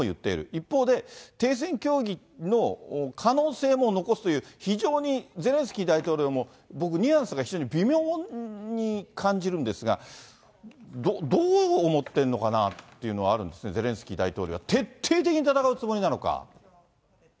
一方で、停戦協議の可能性も残すという、非常にゼレンスキー大統領も、僕、ニュアンスが微妙に感じるんですが、どう思ってるのかなっていうのはあるんですが、ゼレンスキー大統領は、徹底的に戦うつもりなのか。